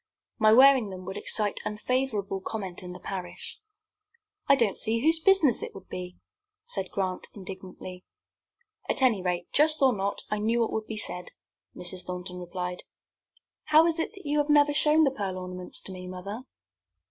My wearing them would excite unfavorable comment in the parish." "I don't see whose business it would be," said Grant, indignantly. "At any rate, just or not, I knew what would be said," Mrs. Thornton replied. "How is it you have never shown the pearl ornaments to me, mother?"